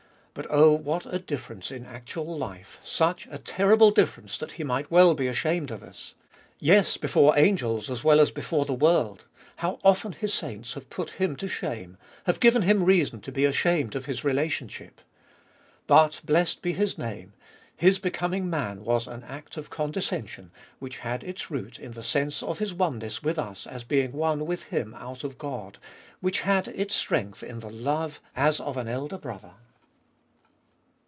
But oh, what a difference in actual life, such a terrible difference that He might well be ashamed of us ! Yes ! before angels as well as before the world, how often His saints have put Him to shame, have given Him reason to be ashamed of His relationship ! But — blessed be His name — His becoming man was an act of condescension, which had its root in the sense of His oneness with us as being one with Him out of God, which had its strength in the love as of an elder Brother.